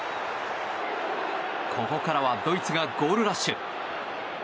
ここからドイツがゴールラッシュ。